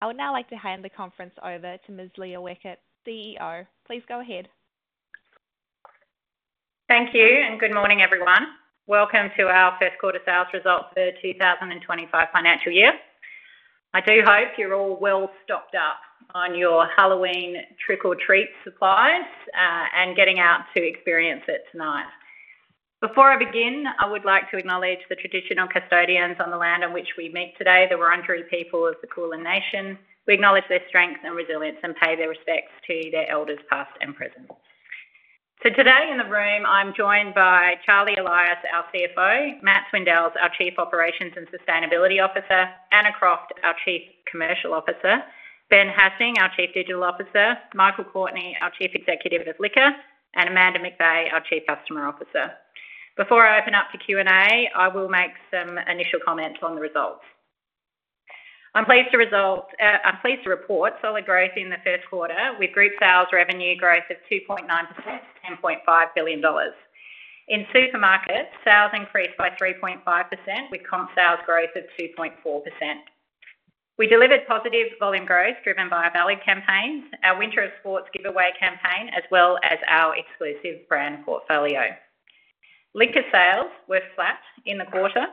I would now like to hand the conference over to Ms. Leah Weckert, CEO. Please go ahead. Thank you, and good morning, everyone. Welcome to our first quarter sales results for the 2025 financial year. I do hope you're all well stocked up on your Halloween trick-or-treat supplies and getting out to experience it tonight. Before I begin, I would like to acknowledge the traditional custodians on the land on which we meet today, the Wurundjeri people of the Kulin Nation. We acknowledge their strength and resilience and pay their respects to their elders past and present. Today in the room, I'm joined by Charlie Elias, our CFO, Matt Swindells, our Chief Operations and Sustainability Officer, Anna Croft, our Chief Commercial Officer, Ben Hassing, our Chief Digital Officer, Michael Courtney, our Chief Executive of Liquor, and Amanda McVay, our Chief Customer Officer. Before I open up to Q&A, I will make some initial comments on the results. I'm pleased to report solid growth in the first quarter, with group sales revenue growth of 2.9% to 10.5 billion dollars. In supermarkets, sales increased by 3.5%, with comp sales growth of 2.4%. We delivered positive volume growth driven by our value campaigns, our Winter of Sports giveaway campaign, as well as our exclusive brand portfolio. Liquor sales were flat in the quarter.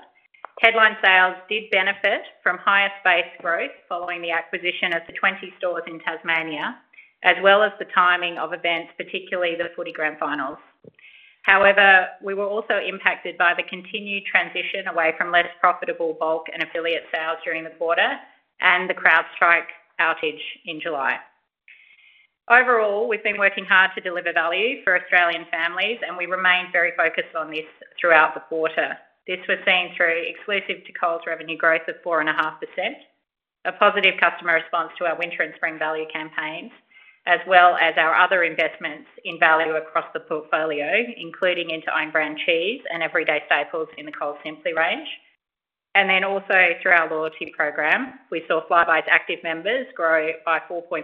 Headline sales did benefit from higher space growth following the acquisition of the 20 stores in Tasmania, as well as the timing of events, particularly the Footy Grand Finals. However, we were also impacted by the continued transition away from less profitable bulk and affiliate sales during the quarter and the CrowdStrike outage in July. Overall, we've been working hard to deliver value for Australian families, and we remained very focused on this throughout the quarter. This was seen through exclusive to Coles revenue growth of 4.5%, a positive customer response to our winter and spring value campaigns, as well as our other investments in value across the portfolio, including into own-brand cheese and everyday staples in the Coles Simply range, and then also through our loyalty program, we saw Flybuys active members grow by 4.1%,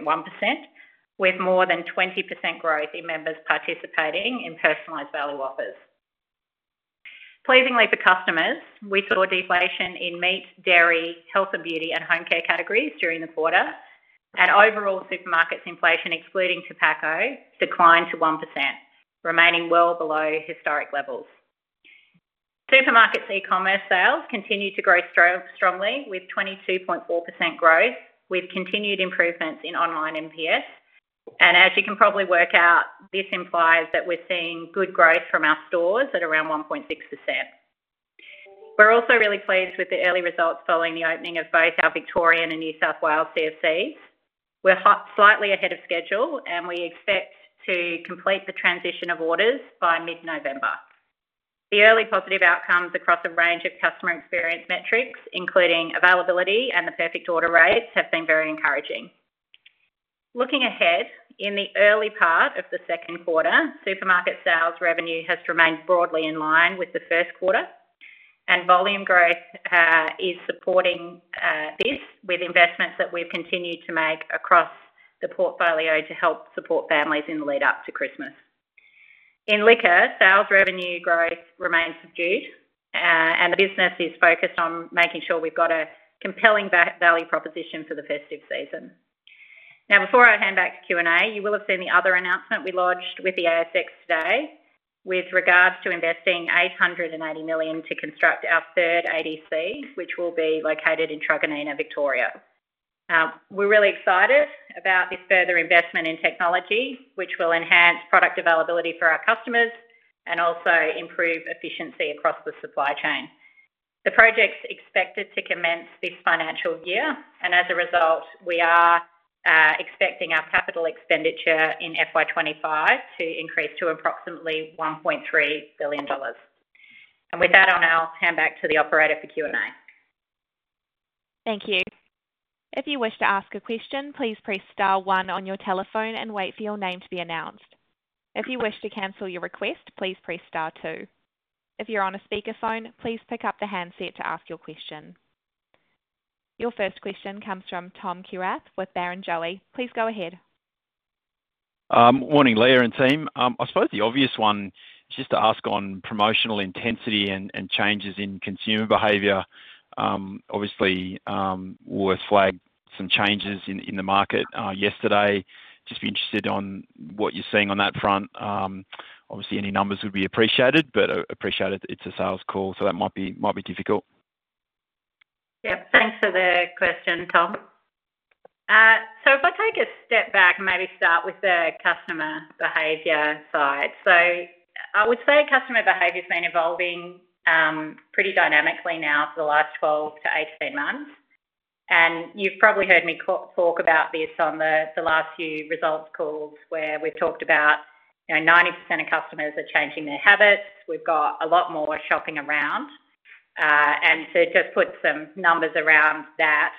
with more than 20% growth in members participating in personalized value offers. Pleasingly for customers, we saw a deflation in meat, dairy, health and beauty, and home care categories during the quarter, and overall supermarkets' inflation, excluding tobacco, declined to 1%, remaining well below historic levels. Supermarkets' e-commerce sales continued to grow strongly, with 22.4% growth, with continued improvements in online NPS, and as you can probably work out, this implies that we're seeing good growth from our stores at around 1.6%. We're also really pleased with the early results following the opening of both our Victorian and New South Wales CFCs. We're slightly ahead of schedule, and we expect to complete the transition of orders by mid-November. The early positive outcomes across a range of customer experience metrics, including availability and the perfect order rates, have been very encouraging. Looking ahead, in the early part of the second quarter, supermarket sales revenue has remained broadly in line with the first quarter, and volume growth is supporting this with investments that we've continued to make across the portfolio to help support families in the lead-up to Christmas. In Liquor, sales revenue growth remains subdued, and the business is focused on making sure we've got a compelling value proposition for the festive season. Now, before I hand back to Q&A, you will have seen the other announcement we lodged with the ASX today with regards to investing 880 million to construct our third ADC, which will be located in Truganina, Victoria. We're really excited about this further investment in technology, which will enhance product availability for our customers and also improve efficiency across the supply chain. The project's expected to commence this financial year, and as a result, we are expecting our capital expenditure in FY25 to increase to approximately 1.3 billion dollars. And with that, I'll now hand back to the operator for Q&A. Thank you. If you wish to ask a question, please press *1 on your telephone and wait for your name to be announced. If you wish to cancel your request, please press *2. If you're on a speakerphone, please pick up the handset to ask your question. Your first question comes from Tom Kierath with Barrenjoey. Please go ahead. Morning, Leah and team. I suppose the obvious one is just to ask on promotional intensity and changes in consumer behavior. Obviously, we've flagged some changes in the market yesterday. Just be interested on what you're seeing on that front. Obviously, any numbers would be appreciated, but I appreciate it's a sales call, so that might be difficult. Yep, thanks for the question, Tom. So if I take a step back and maybe start with the customer behavior side, so I would say customer behavior's been evolving pretty dynamically now for the last 12 to 18 months. And you've probably heard me talk about this on the last few results calls where we've talked about 90% of customers are changing their habits. We've got a lot more shopping around. And to just put some numbers around that,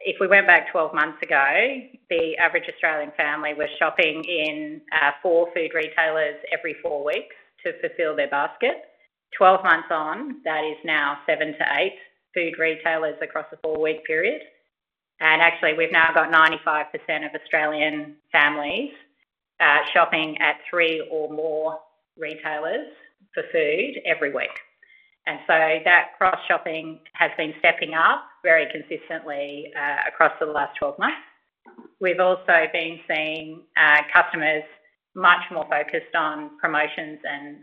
if we went back 12 months ago, the average Australian family was shopping in four food retailers every four weeks to fulfill their basket. 12 months on, that is now seven to eight food retailers across a four-week period. And actually, we've now got 95% of Australian families shopping at three or more retailers for food every week. And so that cross-shopping has been stepping up very consistently across the last 12 months. We've also been seeing customers much more focused on promotions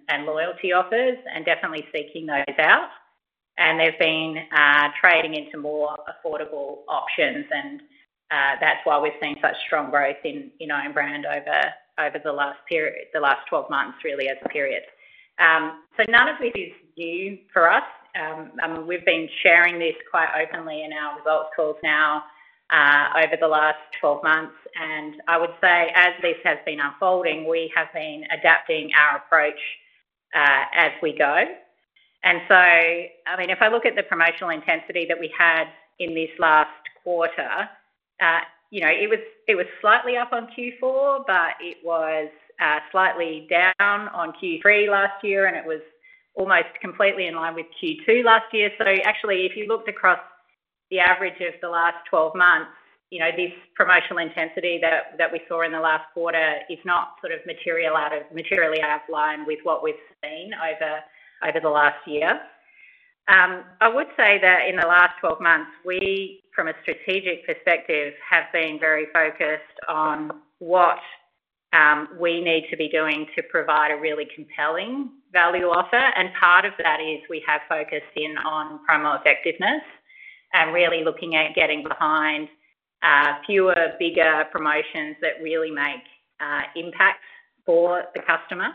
and loyalty offers and definitely seeking those out. And they've been trading into more affordable options, and that's why we've seen such strong growth in own-brand over the last 12 months, really, as a period. So none of this is new for us. We've been sharing this quite openly in our results calls now over the last 12 months. And I would say, as this has been unfolding, we have been adapting our approach as we go. And so, I mean, if I look at the promotional intensity that we had in this last quarter, it was slightly up on Q4, but it was slightly down on Q3 last year, and it was almost completely in line with Q2 last year. Actually, if you looked across the average of the last 12 months, this promotional intensity that we saw in the last quarter is not sort of materially out of line with what we've seen over the last year. I would say that in the last 12 months, we, from a strategic perspective, have been very focused on what we need to be doing to provide a really compelling value offer. Part of that is we have focused in on promo effectiveness and really looking at getting behind fewer, bigger promotions that really make impact for the customer.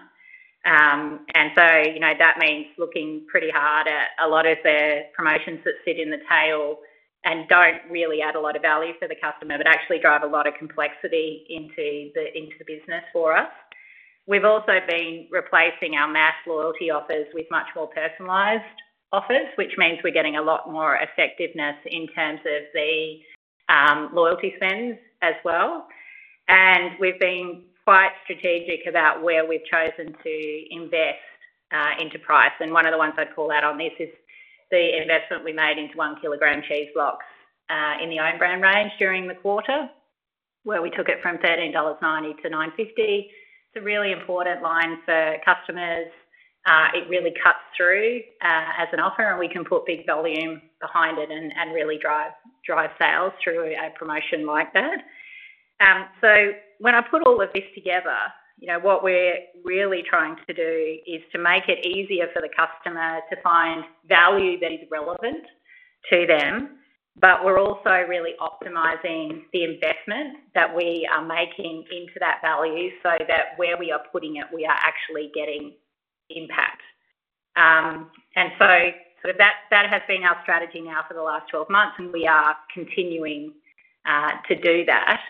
That means looking pretty hard at a lot of the promotions that sit in the tail and don't really add a lot of value for the customer but actually drive a lot of complexity into the business for us. We've also been replacing our mass loyalty offers with much more personalized offers, which means we're getting a lot more effectiveness in terms of the loyalty spends as well. And we've been quite strategic about where we've chosen to invest into price. And one of the ones I'd call out on this is the investment we made into one kilogram cheese blocks in the own-brand range during the quarter, where we took it from 13.90 dollars to 9.50. It's a really important line for customers. It really cuts through as an offer, and we can put big volume behind it and really drive sales through a promotion like that. So when I put all of this together, what we're really trying to do is to make it easier for the customer to find value that is relevant to them, but we're also really optimizing the investment that we are making into that value so that where we are putting it, we are actually getting impact. And so that has been our strategy now for the last 12 months, and we are continuing to do that.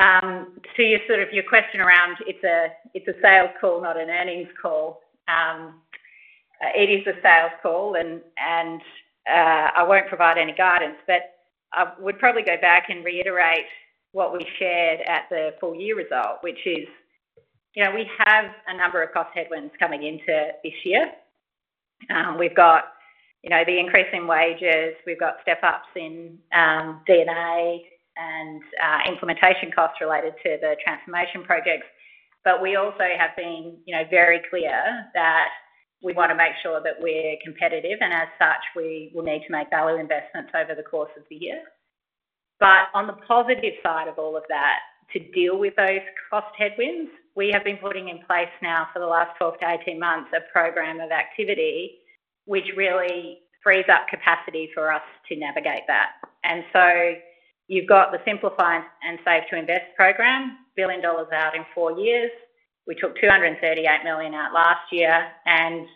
To your question around, it's a sales call, not an earnings call, it is a sales call, and I won't provide any guidance, but I would probably go back and reiterate what we shared at the full-year result, which is we have a number of cost headwinds coming into this year. We've got the increase in wages. We've got step-ups in D&A and implementation costs related to the transformation projects. But we also have been very clear that we want to make sure that we're competitive, and as such, we will need to make value investments over the course of the year. But on the positive side of all of that, to deal with those cost headwinds, we have been putting in place now for the last 12 to 18 months a program of activity which really frees up capacity for us to navigate that. And so you've got the Simplify and Save to Invest program, 1 billion dollars out in four years. We took 238 million out last year, and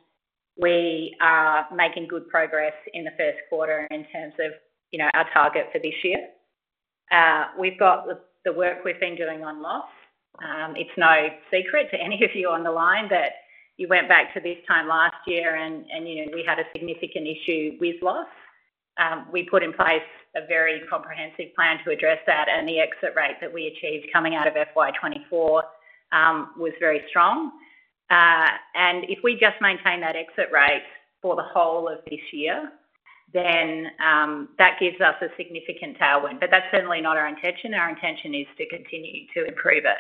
we are making good progress in the first quarter in terms of our target for this year. We've got the work we've been doing on loss. It's no secret to any of you on the line that you went back to this time last year, and we had a significant issue with loss. We put in place a very comprehensive plan to address that, and the exit rate that we achieved coming out of FY24 was very strong. And if we just maintain that exit rate for the whole of this year, then that gives us a significant tailwind. But that's certainly not our intention. Our intention is to continue to improve it.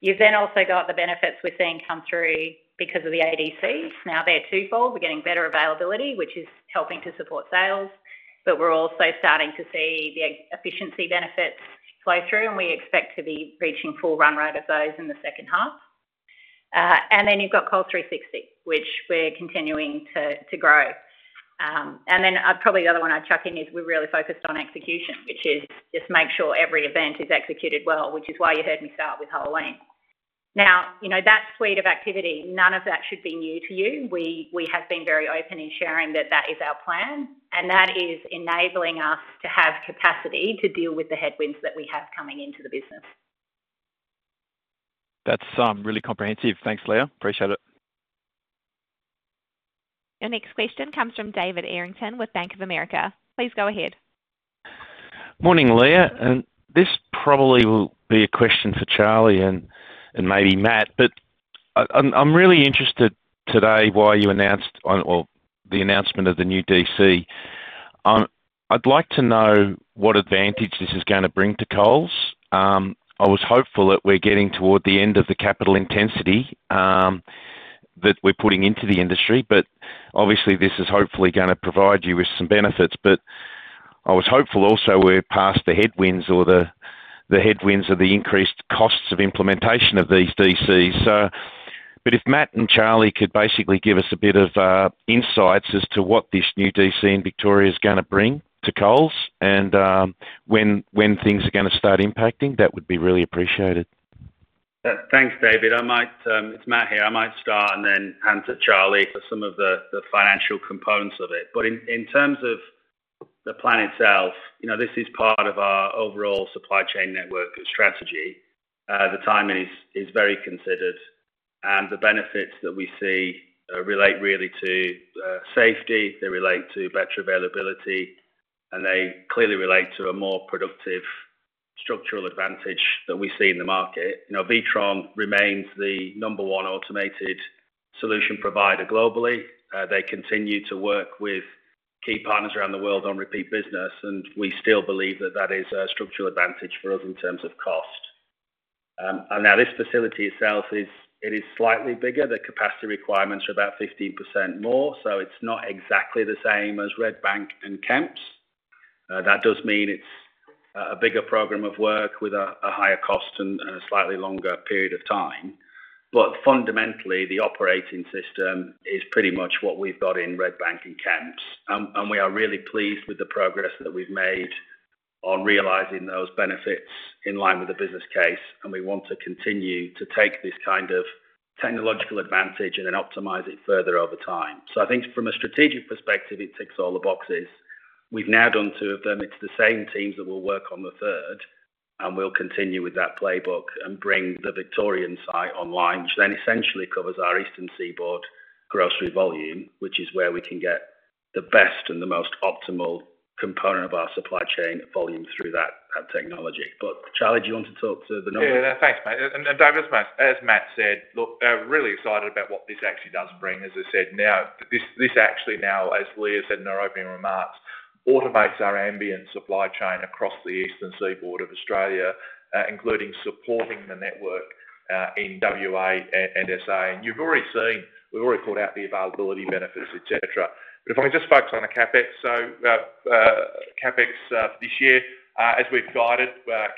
You've then also got the benefits we're seeing come through because of the ADC. Now they're twofold. We're getting better availability, which is helping to support sales, but we're also starting to see the efficiency benefits flow through, and we expect to be reaching full run rate of those in the second half. Then you've got Coles 360, which we're continuing to grow. Then probably the other one I'd chuck in is we're really focused on execution, which is just make sure every event is executed well, which is why you heard me start with Halloween. Now, that suite of activity, none of that should be new to you. We have been very open in sharing that that is our plan, and that is enabling us to have capacity to deal with the headwinds that we have coming into the business. That's really comprehensive. Thanks, Leah. Appreciate it. Your next question comes from David Errington with Bank of America. Please go ahead. Morning, Leah. And this probably will be a question for Charlie and maybe Matt, but I'm really interested today why you announced the announcement of the new DC. I'd like to know what advantage this is going to bring to Coles. I was hopeful that we're getting toward the end of the capital intensity that we're putting into the industry, but obviously, this is hopefully going to provide you with some benefits. But I was hopeful also we're past the headwinds or the headwinds of the increased costs of implementation of these DCs. But if Matt and Charlie could basically give us a bit of insights as to what this new DC in Victoria is going to bring to Coles and when things are going to start impacting, that would be really appreciated. Thanks, David. It's Matt here. I might start and then hand to Charlie for some of the financial components of it. But in terms of the plan itself, this is part of our overall supply chain network strategy. The timing is very considered, and the benefits that we see relate really to safety. They relate to better availability, and they clearly relate to a more productive structural advantage that we see in the market. Witron remains the number one automated solution provider globally. They continue to work with key partners around the world on repeat business, and we still believe that that is a structural advantage for us in terms of cost. And now this facility itself, it is slightly bigger. The capacity requirements are about 15% more, so it's not exactly the same as Redbank and Kemps Creek. That does mean it's a bigger program of work with a higher cost and a slightly longer period of time. But fundamentally, the operating system is pretty much what we've got in Redbank and Kemps Creek, and we are really pleased with the progress that we've made on realizing those benefits in line with the business case, and we want to continue to take this kind of technological advantage and then optimize it further over time. So I think from a strategic perspective, it ticks all the boxes. We've now done two of them. It's the same teams that will work on the third, and we'll continue with that playbook and bring the Victorian site online, which then essentially covers our Eastern Seaboard grocery volume, which is where we can get the best and the most optimal component of our supply chain volume through that technology. But Charlie, do you want to talk to the number? Yeah, thanks, Matt. As Matt said, look, really excited about what this actually does bring. As I said, this actually now, as Leah said in her opening remarks, automates our ambient supply chain across the Eastern Seaboard of Australia, including supporting the network in WA and SA. And you've already seen, we've already pulled out the availability benefits, etc. But if I can just focus on the CapEx. CapEx for this year, as we've guided,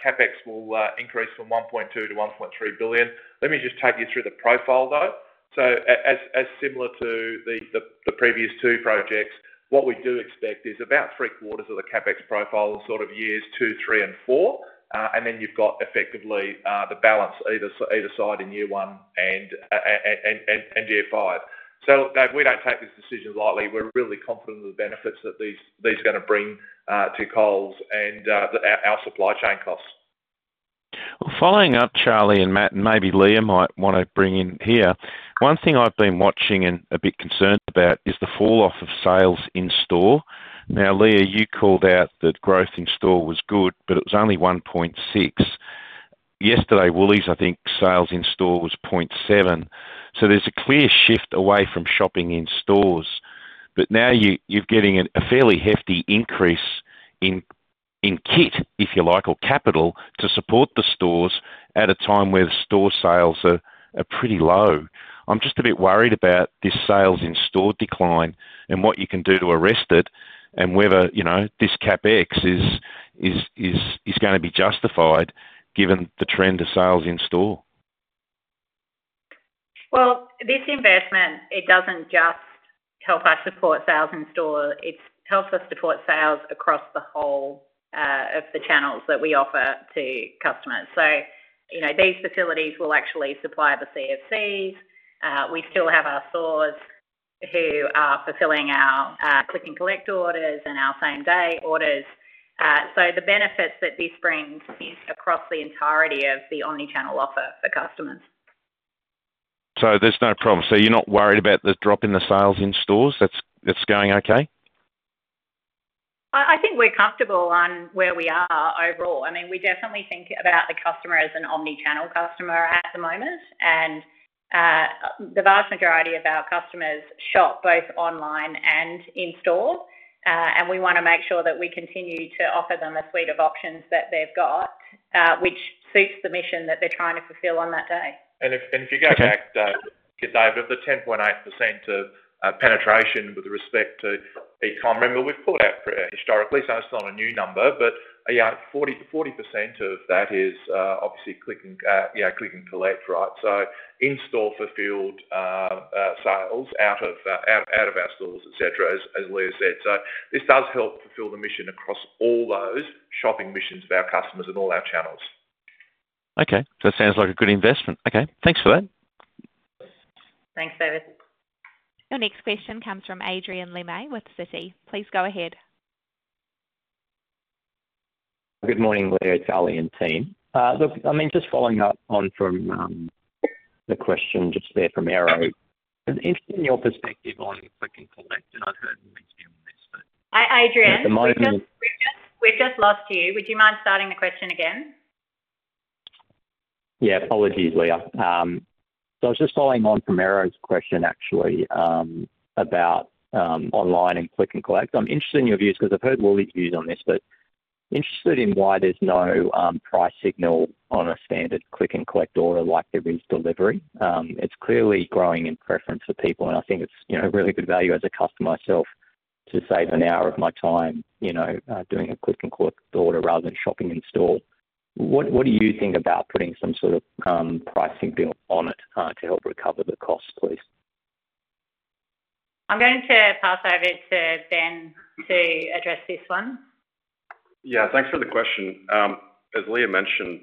CapEx will increase from 1.2 billion-1.3 billion. Let me just take you through the profile, though. Similar to the previous two projects, what we do expect is about three-quarters of the CapEx profile in sort of years two, three, and four. Then you've got effectively the balance either side in year one and year five. So look, Dave, we don't take this decision lightly. We're really confident in the benefits that these are going to bring to Coles and our supply chain costs. Following up, Charlie and Matt, and maybe Leah might want to bring in here. One thing I've been watching and a bit concerned about is the falloff of sales in store. Now, Leah, you called out that growth in store was good, but it was only 1.6%. Yesterday, Woolies, I think, sales in store was 0.7%. There's a clear shift away from shopping in stores. Now you're getting a fairly hefty increase in kit, if you like, or capital to support the stores at a time where store sales are pretty low. I'm just a bit worried about this sales in store decline and what you can do to arrest it and whether this CapEx is going to be justified given the trend of sales in store. This investment, it doesn't just help us support sales in store. It helps us support sales across the whole of the channels that we offer to customers. These facilities will actually supply the CFCs. We still have our stores who are fulfilling our click-and-collect orders and our same-day orders. The benefits that this brings is across the entirety of the omnichannel offer for customers. There's no problem. You're not worried about the drop in the sales in stores? That's going okay? I think we're comfortable on where we are overall. I mean, we definitely think about the customer as an omnichannel customer at the moment, and the vast majority of our customers shop both online and in store, and we want to make sure that we continue to offer them a suite of options that they've got, which suits the mission that they're trying to fulfill on that day. And if you go back, Dave, of the 10.8% penetration with respect to e-commerce, I mean, we've pulled out historically, so it's not a new number, but 40% of that is obviously click-and-collect, right? So in-store fulfilled sales out of our stores, etc., as Leah said. So this does help fulfill the mission across all those shopping missions of our customers in all our channels. Okay. That sounds like a good investment. Okay. Thanks for that. Thanks, David. Your next question comes from Adrian Lemme with Citi. Please go ahead. Good morning, Leah, Charlie, and team. Look, I mean, just following up on the question just there from Errington, interested in your perspective on click-and-collect, and I've heard from these few on this, but. Adrian, we've just lost you. Would you mind starting the question again? Yeah. Apologies, Leah. So I was just following on from Errington's question, actually, about online and click-and-collect. I'm interested in your views because I've heard Woolies views on this, but interested in why there's no price signal on a standard click-and-collect order like there is delivery. It's clearly growing in preference for people, and I think it's really good value as a customer myself to save an hour of my time doing a click-and-collect order rather than shopping in store. What do you think about putting some sort of price signal on it to help recover the cost, please? I'm going to pass over to Ben to address this one. Yeah. Thanks for the question. As Leah mentioned,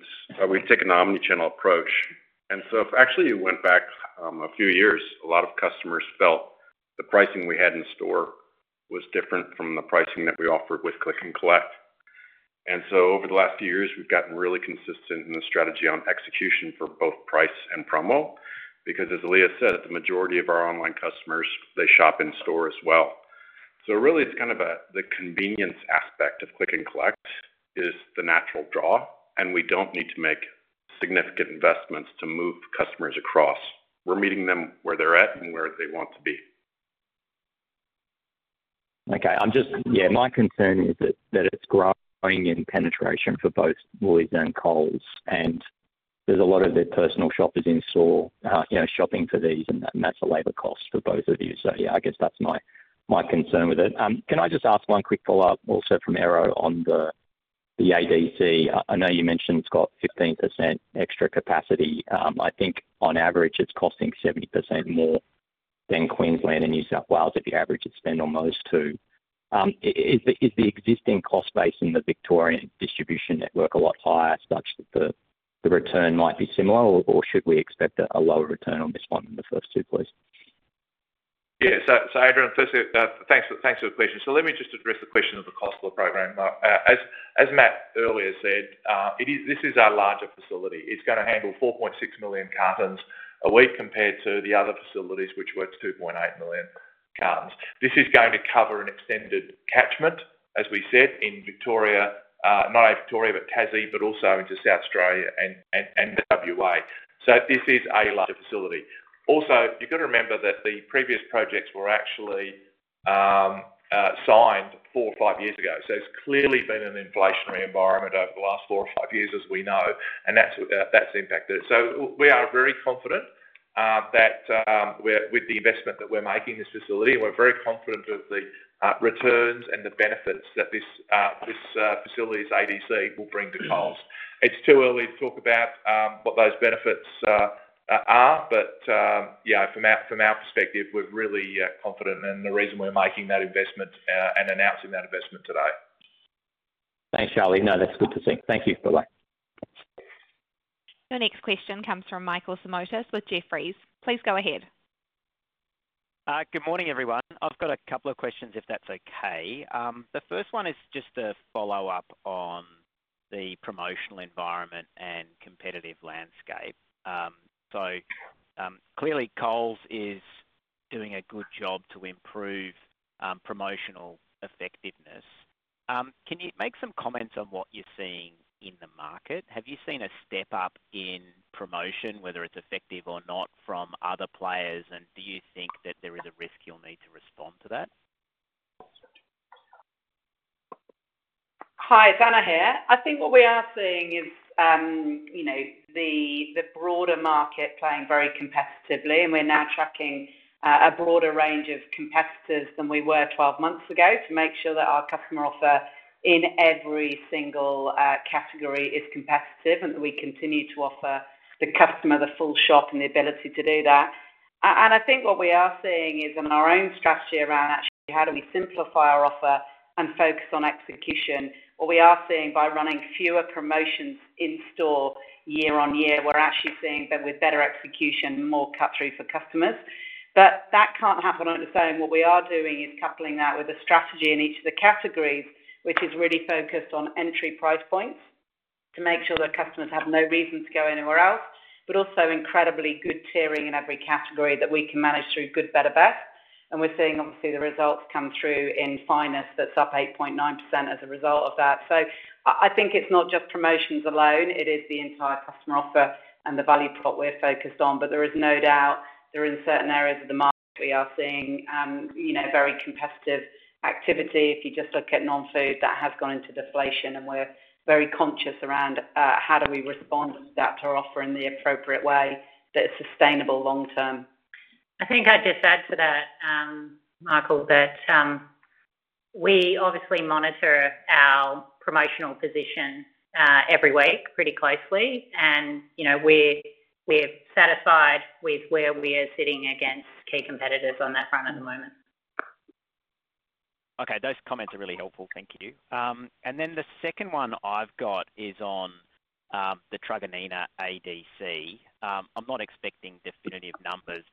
we've taken an omnichannel approach, and so if actually you went back a few years, a lot of customers felt the pricing we had in store was different from the pricing that we offered with click-and-collect, and so over the last few years, we've gotten really consistent in the strategy on execution for both price and promo because, as Leah said, the majority of our online customers, they shop in store as well, so really, it's kind of the convenience aspect of click-and-collect is the natural draw, and we don't need to make significant investments to move customers across. We're meeting them where they're at and where they want to be. Okay. Yeah. My concern is that it's growing in penetration for both Woolies and Coles, and there's a lot of their personal shoppers in store shopping for these, and that's a labor cost for both of you. So yeah, I guess that's my concern with it. Can I just ask one quick follow-up also from our on the ADC? I know you mentioned it's got 15% extra capacity. I think on average, it's costing 70% more than Queensland and New South Wales if you average the spend on those two. Is the existing cost base in the Victorian distribution network a lot higher, such that the return might be similar, or should we expect a lower return on this one than the first two, please? Yeah. So Adrian, thanks for the question. So let me just address the question of the cost of the program. As Matt earlier said, this is our larger facility. It's going to handle 4.6 million cartons a week compared to the other facilities, which were 2.8 million cartons. This is going to cover an extended catchment, as we said, in Victoria, not only Victoria, but Tassie, but also into South Australia and WA. So this is a larger facility. Also, you've got to remember that the previous projects were actually signed four or five years ago. So it's clearly been an inflationary environment over the last four or five years, as we know, and that's impacted it. So we are very confident that with the investment that we're making in this facility, we're very confident of the returns and the benefits that this facility's ADC will bring to Coles. It's too early to talk about what those benefits are, but yeah, from our perspective, we're really confident in the reason we're making that investment and announcing that investment today. Thanks, Charlie. No, that's good to see. Thank you. Bye-bye. Your next question comes from Michael Simotas with Jefferies. Please go ahead. Good morning, everyone. I've got a couple of questions, if that's okay. The first one is just a follow-up on the promotional environment and competitive landscape. So clearly, Coles is doing a good job to improve promotional effectiveness. Can you make some comments on what you're seeing in the market? Have you seen a step up in promotion, whether it's effective or not, from other players? And do you think that there is a risk you'll need to respond to that? Hi, Anna here. I think what we are seeing is the broader market playing very competitively, and we're now tracking a broader range of competitors than we were 12 months ago to make sure that our customer offer in every single category is competitive and that we continue to offer the customer the full shop and the ability to do that. I think what we are seeing is in our own strategy around actually how do we simplify our offer and focus on execution. What we are seeing by running fewer promotions in store year on year, we're actually seeing that with better execution, more cut-through for customers. That can't happen on its own. What we are doing is coupling that with a strategy in each of the categories, which is really focused on entry price points to make sure that customers have no reason to go anywhere else, but also incredibly good tiering in every category that we can manage through good, better, best. And we're seeing, obviously, the results come through in Finest. That's up 8.9% as a result of that. So I think it's not just promotions alone. It is the entire customer offer and the value prop we're focused on. But there is no doubt that in certain areas of the market, we are seeing very competitive activity. If you just look at non-food, that has gone into deflation, and we're very conscious around how do we respond to that through offer in the appropriate way that is sustainable long term. I think I'd just add to that, Michael, that we obviously monitor our promotional position every week pretty closely, and we're satisfied with where we are sitting against key competitors on that front at the moment. Okay. Those comments are really helpful. Thank you. And then the second one I've got is on the Truganina ADC. I'm not expecting definitive numbers,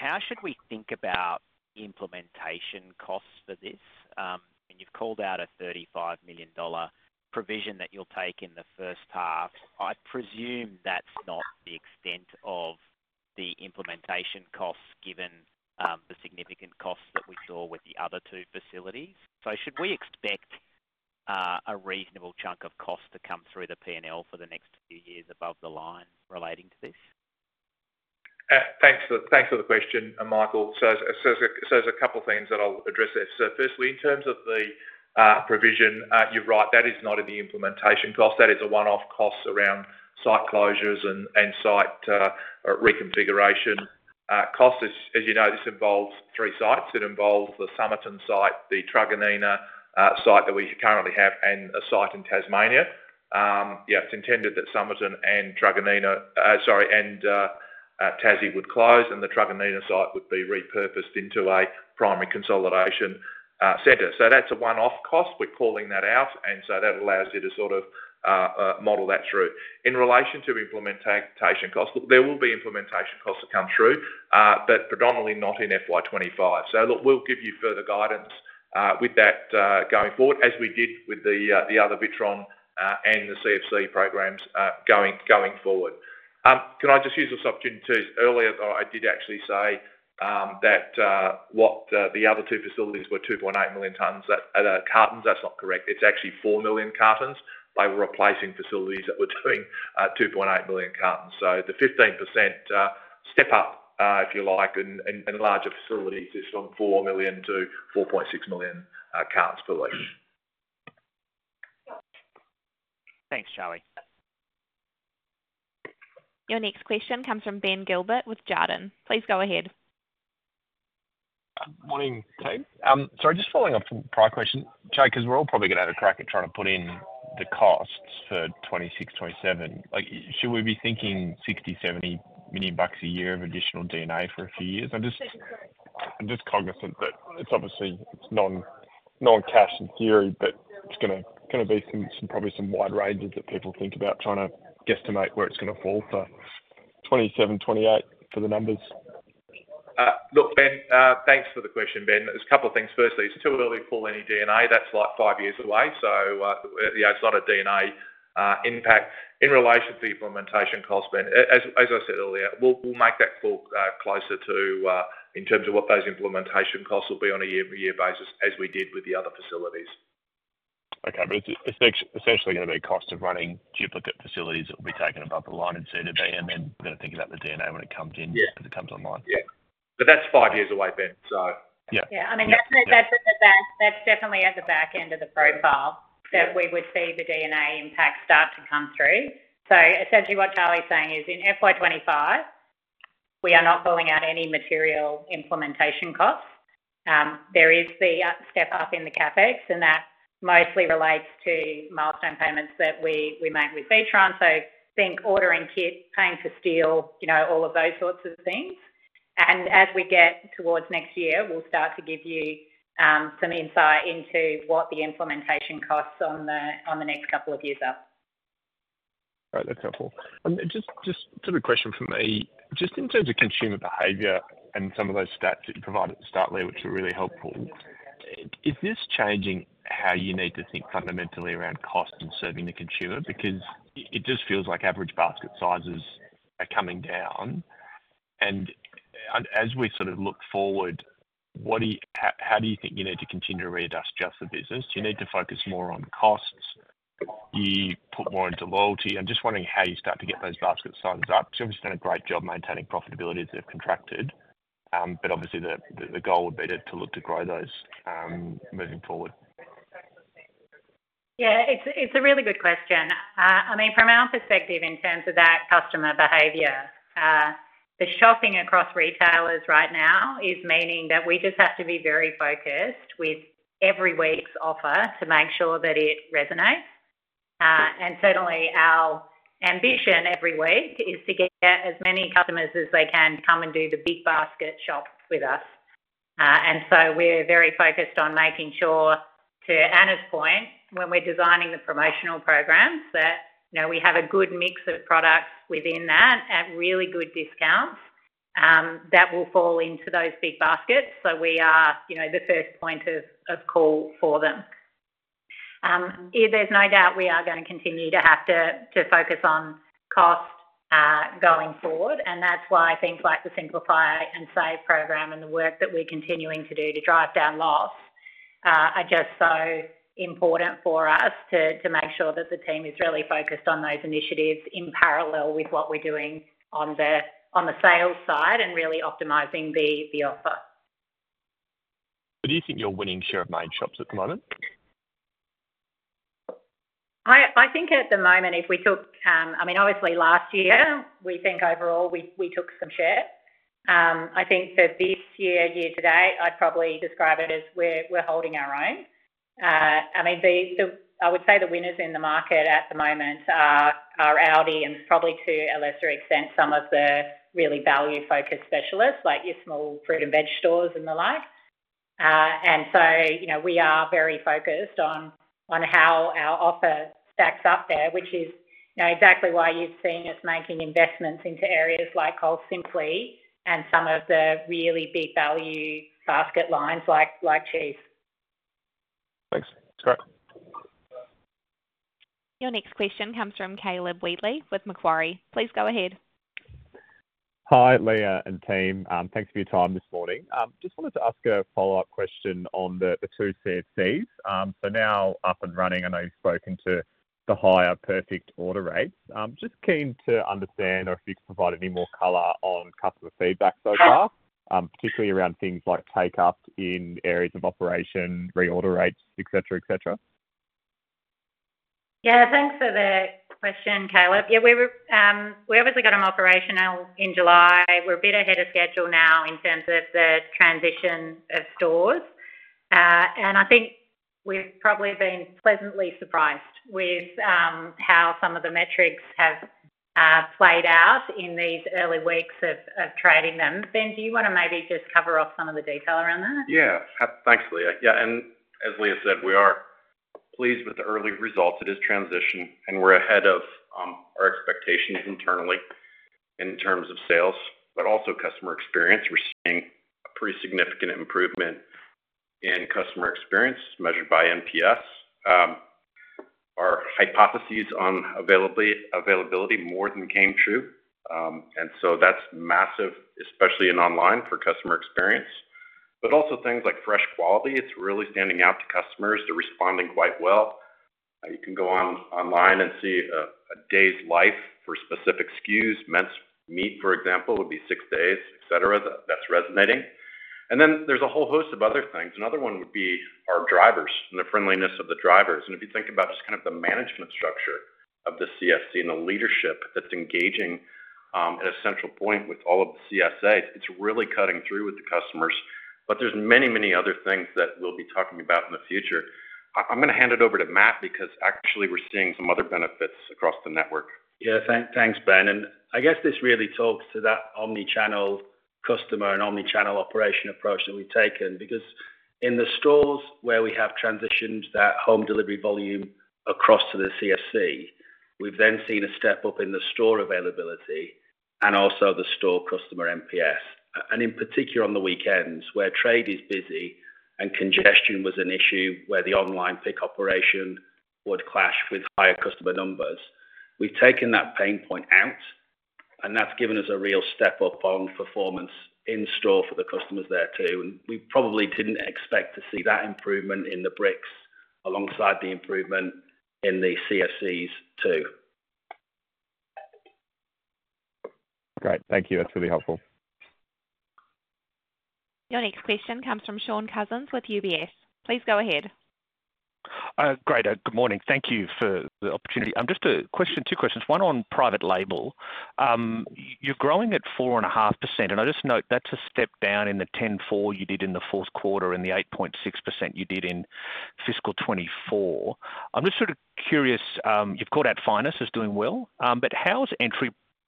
but how should we think about implementation costs for this? And you've called out a 35 million dollar provision that you'll take in the first half. I presume that's not the extent of the implementation costs given the significant costs that we saw with the other two facilities. So should we expect a reasonable chunk of cost to come through the P&L for the next few years above the line relating to this? Thanks for the question, Michael. So there's a couple of things that I'll address there. So firstly, in terms of the provision, you're right. That is not in the implementation cost. That is a one-off cost around site closures and site reconfiguration costs. As you know, this involves three sites. It involves the Somerton site, the Truganina site that we currently have, and a site in Tasmania. Yeah, it's intended that Somerton and Truganina, sorry, and Tassie would close, and the Truganina site would be repurposed into a primary consolidation center. So that's a one-off cost. We're calling that out, and so that allows you to sort of model that through. In relation to implementation costs, look, there will be implementation costs that come through, but predominantly not in FY25. So look, we'll give you further guidance with that going forward, as we did with the other Witron and the CFC programs going forward. Can I just use this opportunity? Earlier, I did actually say that what the other two facilities were 2.8 million cartons. That's not correct. It's actually 4 million cartons. They were replacing facilities that were doing 2.8 million cartons. So the 15% step up, if you like, in larger facilities is from 4 million to 4.6 million cartons per week. Thanks, Charlie. Your next question comes from Ben Gilbert with Jarden. Please go ahead. Morning, team. Sorry, just following up from prior question, Charlie, because we're all probably going to have a crack at trying to put in the costs for 2026, 2027. Should we be thinking 60 million-70 million bucks a year of additional D&A for a few years? I'm just cognizant that it's obviously non-cash in theory, but it's going to be probably some wide ranges that people think about trying to guesstimate where it's going to fall for 2027, 2028 for the numbers. Look, Ben, thanks for the question, Ben. There's a couple of things. Firstly, it's too early to pull any D&A. That's like five years away. So yeah, it's not a D&A impact. In relation to the implementation cost, Ben, as I said earlier, we'll make that call closer to in terms of what those implementation costs will be on a year-over-year basis as we did with the other facilities. Okay. But it's essentially going to be a cost of running duplicate facilities that will be taken above the line in CODB, and then we're going to think about the D&A when it comes in, as it comes online. Yeah, but that's five years away, Ben, so. Yeah. I mean, that's definitely at the back end of the profile that we would see the D&A impact start to come through. So essentially what Charlie's saying is in FY25, we are not pulling out any material implementation costs. There is the step up in the CapEx, and that mostly relates to milestone payments that we make with Witron. So think ordering kit, paying for steel, all of those sorts of things. And as we get towards next year, we'll start to give you some insight into what the implementation costs on the next couple of years are. All right. That's helpful. Just sort of a question for me. Just in terms of consumer behavior and some of those stats that you provided at the start there, which were really helpful, is this changing how you need to think fundamentally around cost and serving the consumer? Because it just feels like average basket sizes are coming down. And as we sort of look forward, how do you think you need to continue to readjust just the business? Do you need to focus more on costs? Do you put more into loyalty? I'm just wondering how you start to get those basket sizes up. You've obviously done a great job maintaining profitability as they've contracted, but obviously the goal would be to look to grow those moving forward. Yeah. It's a really good question. I mean, from our perspective in terms of that customer behavior, the shopping across retailers right now is meaning that we just have to be very focused with every week's offer to make sure that it resonates. And certainly, our ambition every week is to get as many customers as they can to come and do the big basket shop with us. And so we're very focused on making sure, to Anna's point, when we're designing the promotional programs, that we have a good mix of products within that at really good discounts that will fall into those big baskets. So we are the first point of call for them. There's no doubt we are going to continue to have to focus on cost going forward, and that's why things like the Simplify and Save program and the work that we're continuing to do to drive down loss are just so important for us to make sure that the team is really focused on those initiatives in parallel with what we're doing on the sales side and really optimizing the offer. So do you think you're winning share of main shops at the moment? I think at the moment, if we took, I mean, obviously last year, we think overall we took some share. I think for this year, year to date, I'd probably describe it as we're holding our own. I mean, I would say the winners in the market at the moment are Aldi, and probably to a lesser extent, some of the really value-focused specialists like your small fruit and veg stores and the like. And so we are very focused on how our offer stacks up there, which is exactly why you've seen us making investments into areas like Coles Simply and some of the really big value basket lines like cheese. Thanks. That's great. Your next question comes from Caleb Wheatley with Macquarie. Please go ahead. Hi, Leah and team. Thanks for your time this morning. Just wanted to ask a follow-up question on the two CFCs. So now up and running, I know you've spoken to the higher perfect order rates. Just keen to understand or if you could provide any more color on customer feedback so far, particularly around things like take-up in areas of operation, reorder rates, etc., etc. Yeah. Thanks for the question, Caleb. Yeah, we obviously got them operational in July. We're a bit ahead of schedule now in terms of the transition of stores. And I think we've probably been pleasantly surprised with how some of the metrics have played out in these early weeks of trading them. Ben, do you want to maybe just cover off some of the detail around that? Yeah. Thanks, Leah. Yeah. And as Leah said, we are pleased with the early results of this transition, and we're ahead of our expectations internally in terms of sales, but also customer experience. We're seeing a pretty significant improvement in customer experience measured by NPS. Our hypotheses on availability more than came true. And so that's massive, especially in online for customer experience. But also things like fresh quality, it's really standing out to customers. They're responding quite well. You can go online and see a shelf life for specific SKUs. Minced meat, for example, would be six days, etc. That's resonating. And then there's a whole host of other things. Another one would be our drivers and the friendliness of the drivers. If you think about just kind of the management structure of the CFC and the leadership that's engaging at a central point with all of the CSAs, it's really cutting through with the customers. There's many, many other things that we'll be talking about in the future. I'm going to hand it over to Matt because actually we're seeing some other benefits across the network. Yeah. Thanks, Ben. And I guess this really talks to that omnichannel customer and omnichannel operation approach that we've taken because in the stores where we have transitioned that home delivery volume across to the CFC, we've then seen a step up in the store availability and also the store customer NPS. And in particular on the weekends where trade is busy and congestion was an issue where the online pick operation would clash with higher customer numbers. We've taken that pain point out, and that's given us a real step up on performance in store for the customers there too. And we probably didn't expect to see that improvement in the bricks alongside the improvement in the CFCs too. Great. Thank you. That's really helpful. Your next question comes from Shaun Cousins with UBS. Please go ahead. Great. Good morning. Thank you for the opportunity. I'm just going to ask two questions. One on private label. You're growing at 4.5%. And I'll just note that's a step down in the 10.4% you did in the fourth quarter and the 8.6% you did in fiscal 2024. I'm just sort of curious, you've got Coles Finest is doing well, but how's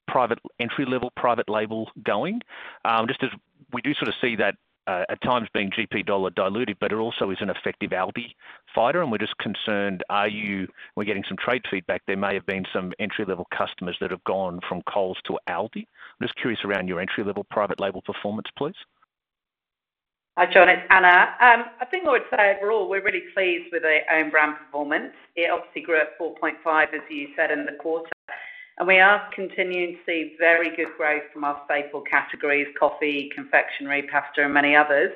private entry-level private label going? Just as we do sort of see that at times being GP dollar diluted, but it also is an effective Aldi fighter, and we're just concerned, are you, we're getting some trade feedback, there may have been some entry-level customers that have gone from Coles to Aldi. I'm just curious around your entry-level private label performance, please. Hi, Sean. It's Anna. I think I would say overall we're really pleased with our own brand performance. It obviously grew at 4.5%, as you said, in the quarter. And we are continuing to see very good growth from our staple categories: coffee, confectionery, pasta, and many others.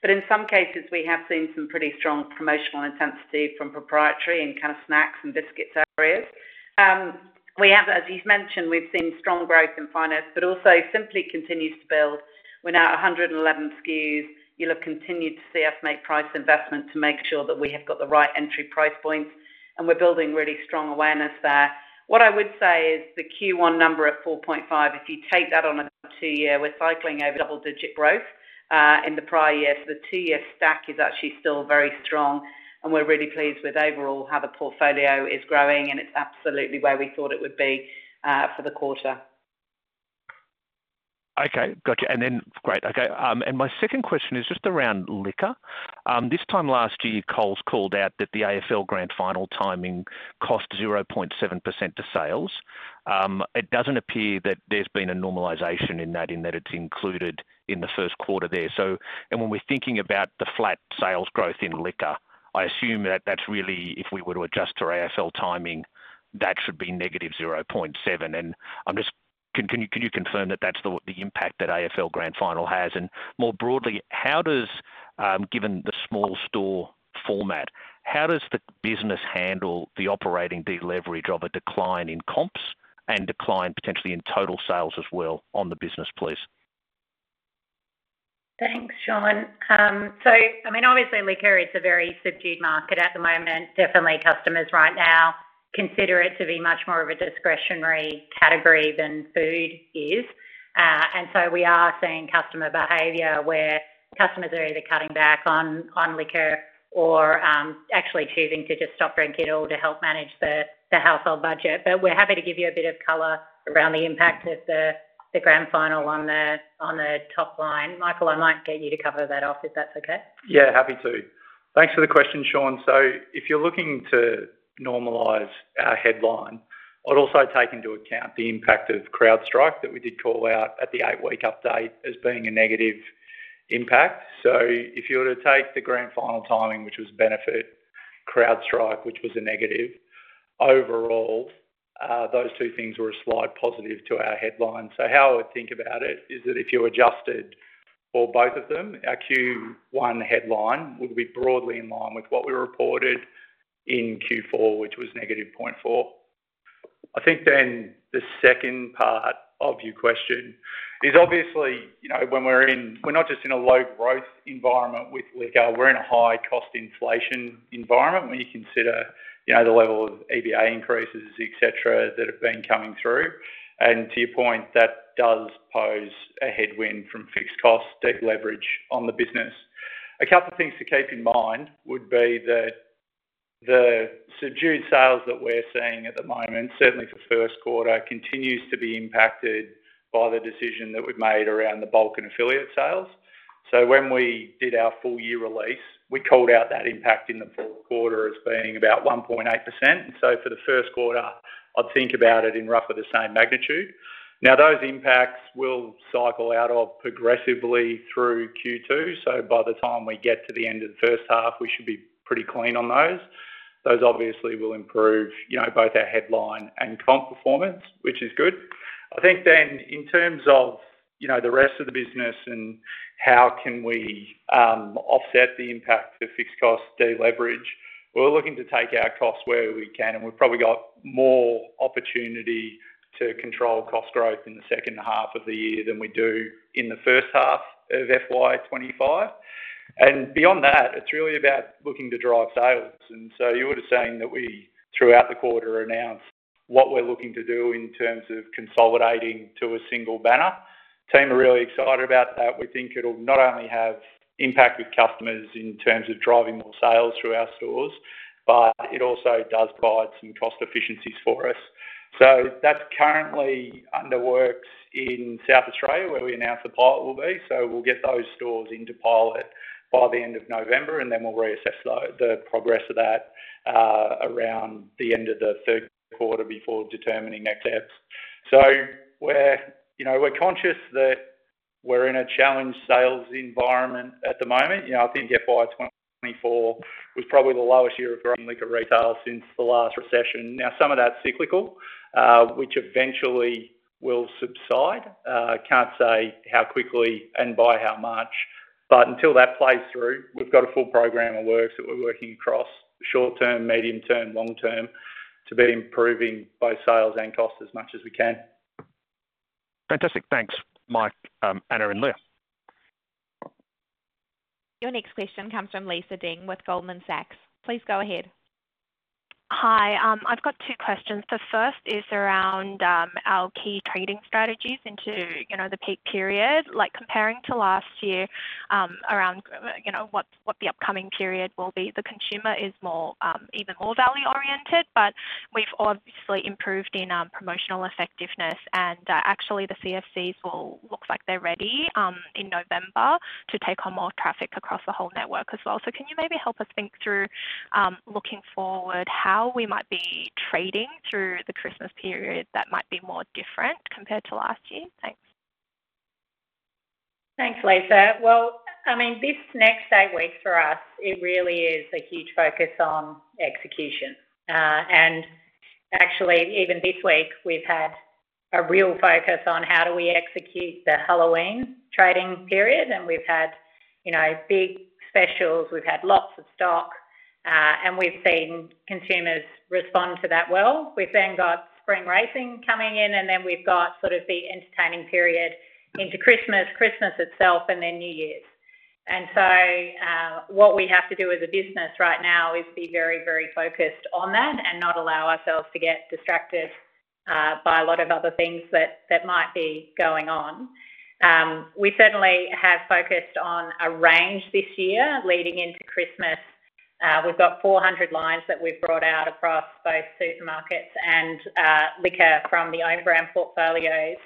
But in some cases, we have seen some pretty strong promotional intensity from proprietary and kind of snacks and biscuits areas. As you've mentioned, we've seen strong growth in Finest, but also Simply continues to build. We're now at 111 SKUs. You'll have continued to see us make price investment to make sure that we have got the right entry price points, and we're building really strong awareness there. What I would say is the Q1 number at 4.5%, if you take that on a two-year, we're cycling over double-digit growth in the prior year. So the two-year stack is actually still very strong, and we're really pleased with overall how the portfolio is growing, and it's absolutely where we thought it would be for the quarter. Okay. Gotcha. And then great. Okay. And my second question is just around liquor. This time last year, Coles called out that the AFL Grand Final timing cost 0.7% to sales. It doesn't appear that there's been a normalization in that, in that it's included in the first quarter there. And when we're thinking about the flat sales growth in liquor, I assume that that's really, if we were to adjust to AFL timing, that should be negative 0.7%. And can you confirm that that's the impact that AFL Grand Final has? And more broadly, given the small store format, how does the business handle the operating deleverage of a decline in comps and decline potentially in total sales as well on the business, please? Thanks, Shaun. So I mean, obviously, liquor is a very subdued market at the moment. Definitely, customers right now consider it to be much more of a discretionary category than food is. And so we are seeing customer behavior where customers are either cutting back on liquor or actually choosing to just stop drinking it all to help manage the household budget. But we're happy to give you a bit of color around the impact of the Grand Final on the top line. Michael, I might get you to cover that off if that's okay. Yeah. Happy to. Thanks for the question, Sean. So if you're looking to normalise our headline, I'd also take into account the impact of CrowdStrike that we did call out at the eight-week update as being a negative impact. So if you were to take the Grand Final timing, which was a benefit, CrowdStrike, which was a negative, overall, those two things were a slight positive to our headline. So how I would think about it is that if you adjusted for both of them, our Q1 headline would be broadly in line with what we reported in Q4, which was -0.4. I think then the second part of your question is obviously when we're in. We're not just in a low-growth environment with liquor. We're in a high-cost inflation environment when you consider the level of EBA increases, etc., that have been coming through. To your point, that does pose a headwind from fixed costs, debt leverage on the business. A couple of things to keep in mind would be that the subdued sales that we're seeing at the moment, certainly for first quarter, continues to be impacted by the decision that we've made around the bulk and affiliate sales. So when we did our full-year release, we called out that impact in the fourth quarter as being about 1.8%. And so for the first quarter, I'd think about it in roughly the same magnitude. Now, those impacts will cycle out progressively through Q2. So by the time we get to the end of the first half, we should be pretty clean on those. Those obviously will improve both our headline and comp performance, which is good. I think then, in terms of the rest of the business and how we can offset the impact of fixed costs, debt leverage, we're looking to take our costs where we can, and we've probably got more opportunity to control cost growth in the second half of the year than we do in the first half of FY25, and beyond that, it's really about looking to drive sales, and so you were just saying that we throughout the quarter announced what we're looking to do in terms of consolidating to a single banner. Team are really excited about that. We think it'll not only have impact with customers in terms of driving more sales through our stores, but it also does provide some cost efficiencies for us, so that's currently in the works in South Australia where we announced the pilot will be. So we'll get those stores into pilot by the end of November, and then we'll reassess the progress of that around the end of the third quarter before determining next steps. So we're conscious that we're in a challenged sales environment at the moment. I think FY24 was probably the lowest year of growing liquor retail since the last recession. Now, some of that's cyclical, which eventually will subside. I can't say how quickly and by how much, but until that plays through, we've got a full program of works that we're working across: short term, medium term, long term to be improving both sales and cost as much as we can. Fantastic. Thanks, Mike, Anna, and Leah. Your next question comes from Lisa Deng with Goldman Sachs. Please go ahead. Hi. I've got two questions. The first is around our key trading strategies into the peak period. Comparing to last year around what the upcoming period will be, the consumer is even more value-oriented, but we've obviously improved in promotional effectiveness. And actually, the CFCs will look like they're ready in November to take on more traffic across the whole network as well. So can you maybe help us think through looking forward how we might be trading through the Christmas period that might be more different compared to last year? Thanks. Thanks, Lisa. Well, I mean, this next eight weeks for us, it really is a huge focus on execution. And actually, even this week, we've had a real focus on how do we execute the Halloween trading period. And we've had big specials. We've had lots of stock, and we've seen consumers respond to that well. We've then got spring racing coming in, and then we've got sort of the entertaining period into Christmas, Christmas itself, and then New Year's. And so what we have to do as a business right now is be very, very focused on that and not allow ourselves to get distracted by a lot of other things that might be going on. We certainly have focused on a range this year leading into Christmas. We've got 400 lines that we've brought out across both supermarkets and liquor from the own brand portfolios,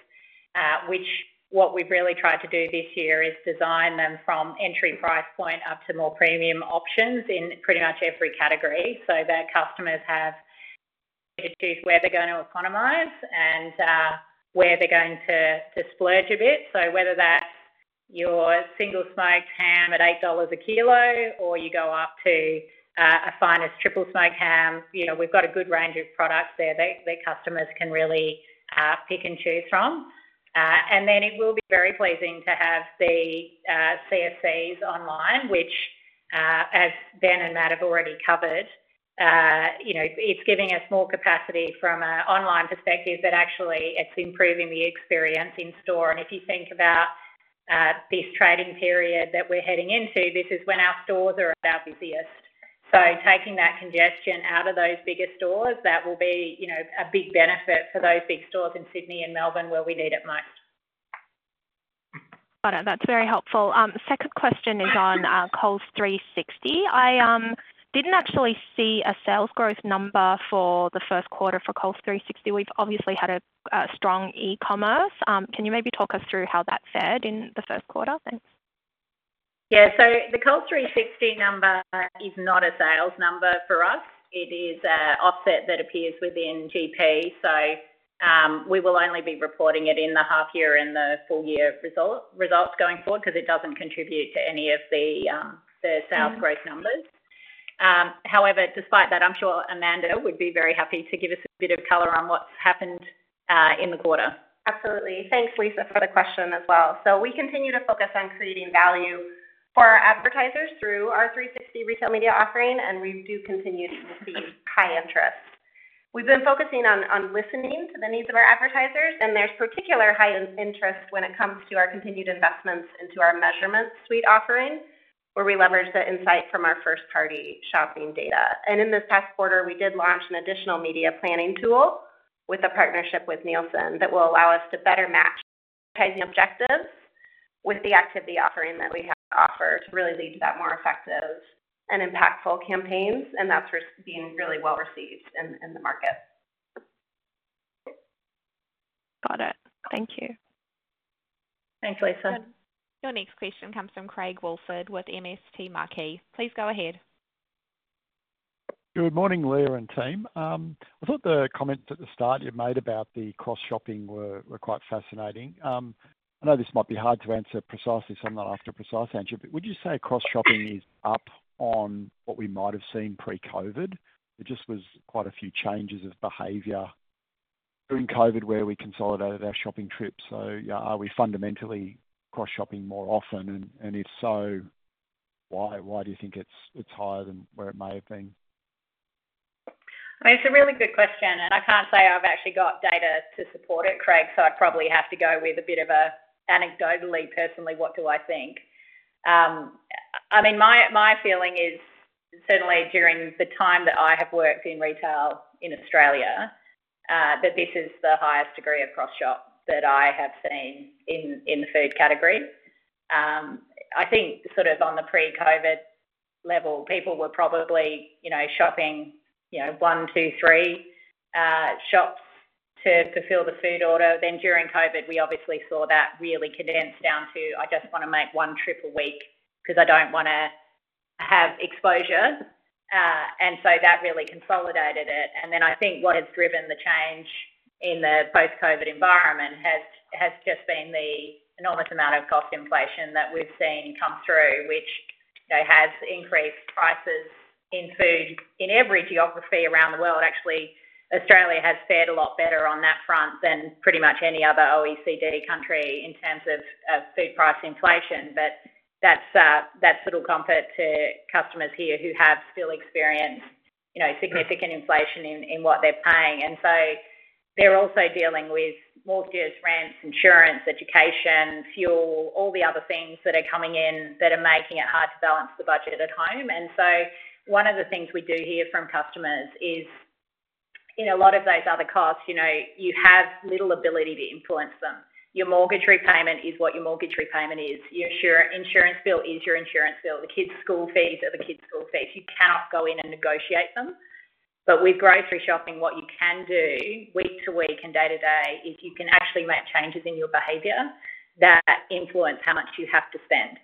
which what we've really tried to do this year is design them from entry price point up to more premium options in pretty much every category so that customers have where they're going to economise and where they're going to splurge a bit. So whether that's your Simply smoked ham at 8 dollars a kilo or you go up to a Finest triple smoked ham, we've got a good range of products there that customers can really pick and choose from. And then it will be very pleasing to have the CFCs online, which, as Ben and Matt have already covered, it's giving us more capacity from an online perspective, but actually, it's improving the experience in store. If you think about this trading period that we're heading into, this is when our stores are at our busiest. Taking that congestion out of those bigger stores, that will be a big benefit for those big stores in Sydney and Melbourne where we need it most. Got it. That's very helpful. Second question is on Coles 360. I didn't actually see a sales growth number for the first quarter for Coles 360. We've obviously had a strong e-commerce. Can you maybe talk us through how that fared in the first quarter? Thanks. Yeah. So the Coles 360 number is not a sales number for us. It is an offset that appears within GP. So we will only be reporting it in the half year and the full year results going forward because it doesn't contribute to any of the sales growth numbers. However, despite that, I'm sure Amanda would be very happy to give us a bit of color on what's happened in the quarter. Absolutely. Thanks, Lisa, for the question as well. So we continue to focus on creating value for our advertisers through our 360 retail media offering, and we do continue to receive high interest. We've been focusing on listening to the needs of our advertisers, and there's particular high interest when it comes to our continued investments into our measurement suite offering where we leverage the insight from our first-party shopping data. And in this past quarter, we did launch an additional media planning tool with a partnership with Nielsen that will allow us to better match the advertising objectives with the activity offering that we have to offer to really lead to that more effective and impactful campaigns. And that's been really well received in the market. Got it. Thank you. Thanks, Lisa. Your next question comes from Craig Woolford with MST Marquee. Please go ahead. Good morning, Leah and team. I thought the comments at the start you made about the cross-shopping were quite fascinating. I know this might be hard to answer precisely something after a precise answer, but would you say cross-shopping is up on what we might have seen pre-COVID? There just was quite a few changes of behavior during COVID where we consolidated our shopping trips. So are we fundamentally cross-shopping more often? And if so, why do you think it's higher than where it may have been? It's a really good question, and I can't say I've actually got data to support it, Craig, so I'd probably have to go with a bit of anecdotally, personally, what do I think? I mean, my feeling is certainly during the time that I have worked in retail in Australia, that this is the highest degree of cross-shop that I have seen in the food category. I think sort of on the pre-COVID level, people were probably shopping one, two, three shops to fulfill the food order. Then during COVID, we obviously saw that really condensed down to, "I just want to make one trip a week because I don't want to have exposure." And so that really consolidated it. And then I think what has driven the change in the post-COVID environment has just been the enormous amount of cost inflation that we've seen come through, which has increased prices in food in every geography around the world. Actually, Australia has fared a lot better on that front than pretty much any other OECD country in terms of food price inflation. But that's little comfort to customers here who have still experienced significant inflation in what they're paying. And so they're also dealing with mortgages, rents, insurance, education, fuel, all the other things that are coming in that are making it hard to balance the budget at home. And so one of the things we do hear from customers is in a lot of those other costs, you have little ability to influence them. Your mortgage repayment is what your mortgage repayment is. Your insurance bill is your insurance bill. The kids' school fees are the kids' school fees. You cannot go in and negotiate them, but with grocery shopping, what you can do week to week and day to day is you can actually make changes in your behavior that influence how much you have to spend,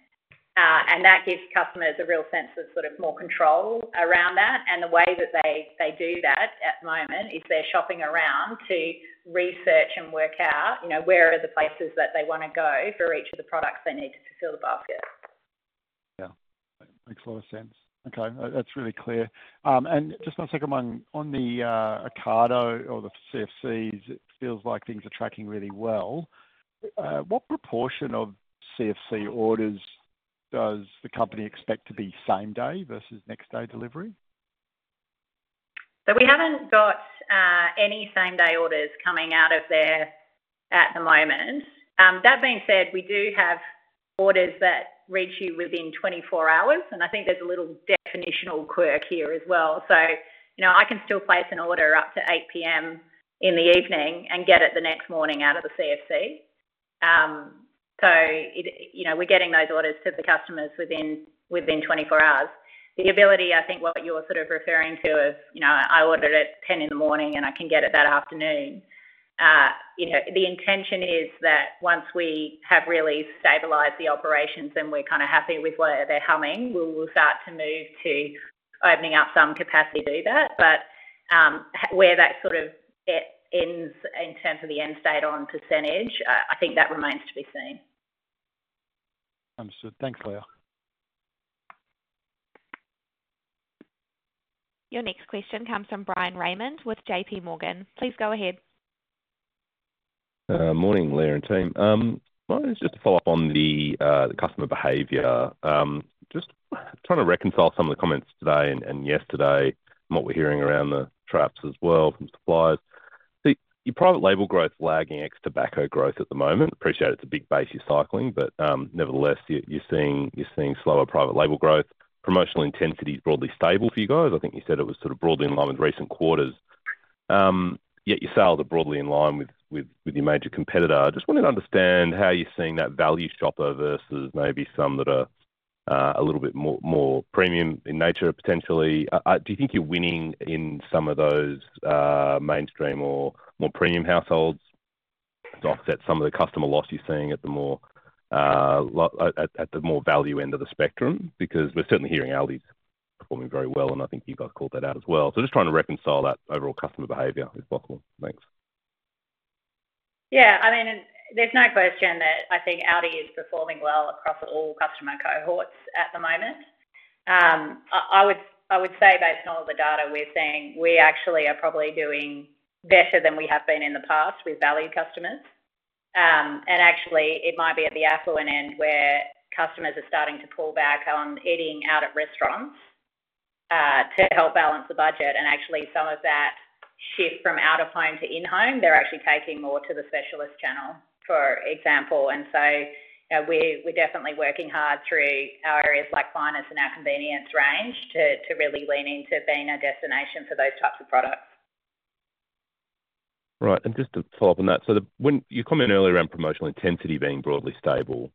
and that gives customers a real sense of sort of more control around that, and the way that they do that at the moment is they're shopping around to research and work out where are the places that they want to go for each of the products they need to fulfill the basket. Yeah. Makes a lot of sense. Okay. That's really clear, and just one second. On the Ocado or the CFCs, it feels like things are tracking really well. What proportion of CFC orders does the company expect to be same-day versus next-day delivery? So we haven't got any same-day orders coming out of there at the moment. That being said, we do have orders that reach you within 24 hours. And I think there's a little definitional quirk here as well. So I can still place an order up to 8:00 P.M. in the evening and get it the next morning out of the CFC. So we're getting those orders to the customers within 24 hours. The ability, I think what you're sort of referring to is, "I ordered at 10:00 A.M. in the morning, and I can get it that afternoon." The intention is that once we have really stabilised the operations and we're kind of happy with where they're humming, we'll start to move to opening up some capacity to do that. But where that sort of ends in terms of the end state on percentage, I think that remains to be seen. Understood. Thanks, Leah. Your next question comes from Bryan Raymond with JPMorgan. Please go ahead. Morning, Leah and team. Just to follow up on the customer behavior, just trying to reconcile some of the comments today and yesterday and what we're hearing around the traps as well from suppliers. Your private label growth is lagging ex-tobacco growth at the moment. Appreciate it's a big base you're cycling, but nevertheless, you're seeing slower private label growth. Promotional intensity is broadly stable for you guys. I think you said it was sort of broadly in line with recent quarters. Yet your sales are broadly in line with your major competitor. I just wanted to understand how you're seeing that value shopper versus maybe some that are a little bit more premium in nature, potentially. Do you think you're winning in some of those mainstream or more premium households to offset some of the customer loss you're seeing at the more value end of the spectrum? Because we're certainly hearing Aldi's performing very well, and I think you guys called that out as well. So just trying to reconcile that overall customer behavior if possible. Thanks. Yeah. I mean, there's no question that I think Aldi is performing well across all customer cohorts at the moment. I would say, based on all the data we're seeing, we actually are probably doing better than we have been in the past with value customers, and actually, it might be at the affluent end where customers are starting to pull back on eating out at restaurants to help balance the budget, and actually, some of that shift from out of home to in-home, they're actually taking more to the specialist channel, for example, and so we're definitely working hard through our areas like Finest and our convenience range to really lean into being a destination for those types of products. Right, and just to follow up on that, so your comment earlier around promotional intensity being broadly stable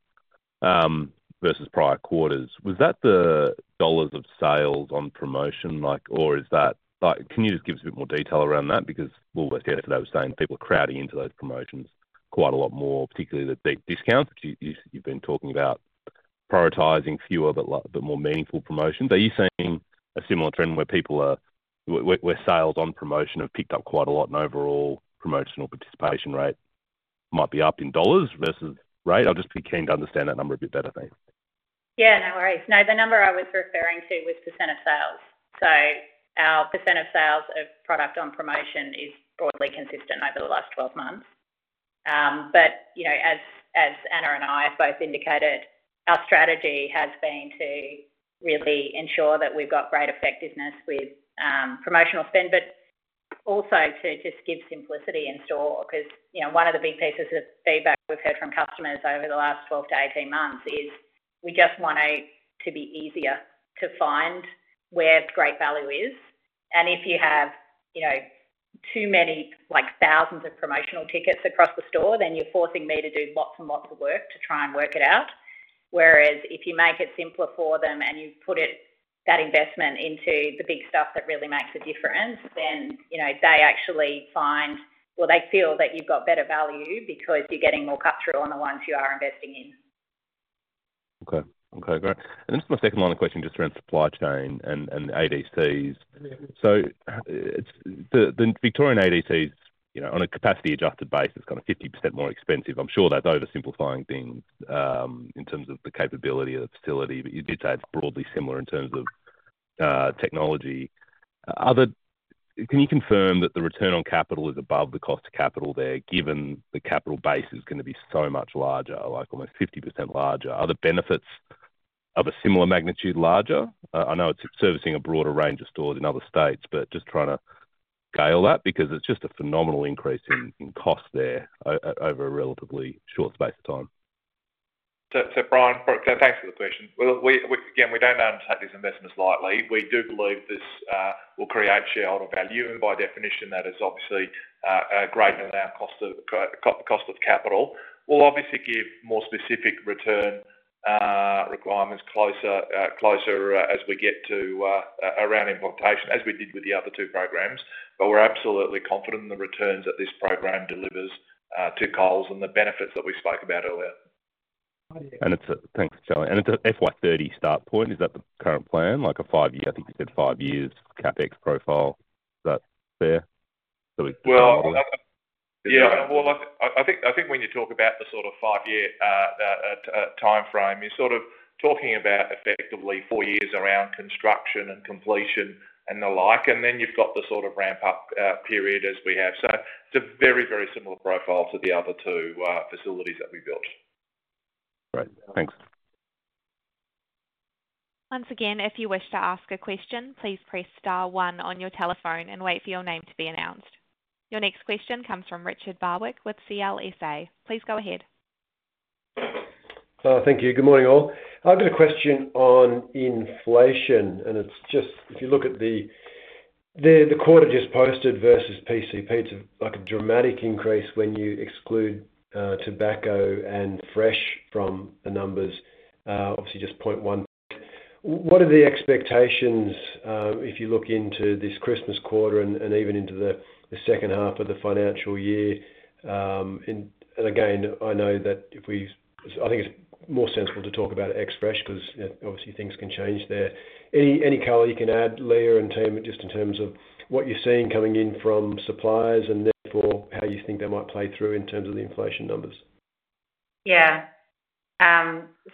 versus prior quarters, was that the dollars of sales on promotion? Or can you just give us a bit more detail around that? Because all we're hearing today was saying people are crowding into those promotions quite a lot more, particularly the big discounts that you've been talking about, prioritizing fewer but more meaningful promotions. Are you seeing a similar trend where sales on promotion have picked up quite a lot and overall promotional participation rate might be up in dollars versus rate? I'll just be keen to understand that number a bit better, thanks. Yeah. No worries. No, the number I was referring to was percent of sales. So our percent of sales of product on promotion is broadly consistent over the last 12 months. But as Anna and I have both indicated, our strategy has been to really ensure that we've got great effectiveness with promotional spend, but also to just give simplicity in store. Because one of the big pieces of feedback we've heard from customers over the last 12 to 18 months is, "We just want it to be easier to find where great value is," and if you have too many thousands of promotional tickets across the store, then you're forcing me to do lots and lots of work to try and work it out. Whereas if you make it simpler for them and you put that investment into the big stuff that really makes a difference, then they actually find, well, they feel that you've got better value because you're getting more cut-through on the ones you are investing in. Okay. Okay. Great. And this is my second line of question just around supply chain and ADCs. So the Victorian ADC's, on a capacity-adjusted basis, kind of 50% more expensive. I'm sure that's oversimplifying things in terms of the capability of the facility, but you did say it's broadly similar in terms of technology. Can you confirm that the return on capital is above the cost of capital there, given the capital base is going to be so much larger, like almost 50% larger? Are the benefits of a similar magnitude larger? I know it's servicing a broader range of stores in other states, but just trying to scale that because it's just a phenomenal increase in cost there over a relatively short space of time. So Bryan, thanks for the question. Again, we don't undertake these investments lightly. We do believe this will create shareholder value, and by definition, that is obviously greater than our cost of capital. We'll obviously give more specific return requirements closer as we get around implementation, as we did with the other two programs. But we're absolutely confident in the returns that this program delivers to Coles and the benefits that we spoke about earlier. Thanks for sharing. It's an FY30 start point. Is that the current plan? Like a five-year? I think you said five-year CapEx profile. Is that fair? Well, yeah. Well, I think when you talk about the sort of five-year timeframe, you're sort of talking about effectively four years around construction and completion and the like. And then you've got the sort of ramp-up period as we have. So it's a very, very similar profile to the other two facilities that we built. Great. Thanks. Once again, if you wish to ask a question, please press star one on your telephone and wait for your name to be announced. Your next question comes from Richard Barwick with CLSA. Please go ahead. Thank you. Good morning, all. I've got a question on inflation. And it's just, if you look at the quarter just posted versus PCP, it's like a dramatic increase when you exclude tobacco and fresh from the numbers, obviously just 0.1. What are the expectations if you look into this Christmas quarter and even into the second half of the financial year? And again, I know that if we—I think it's more sensible to talk about ex-fresh because obviously things can change there. Any color you can add, Leah and team, just in terms of what you're seeing coming in from suppliers and therefore how you think that might play through in terms of the inflation numbers? Yeah.